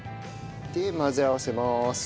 混ぜ合わせます。